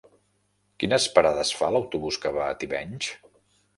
Quines parades fa l'autobús que va a Tivenys?